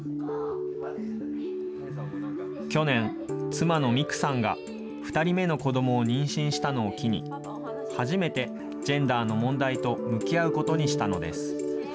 去年、妻の未来さんが２人目の子どもを妊娠したのを機に、初めてジェンダーの問題と向き合うことにしたのです。